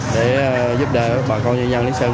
để giúp đỡ bà con nhân dân lý sơn